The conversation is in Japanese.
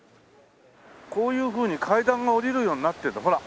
こういうふうに階段が下りるようになってるんだほら。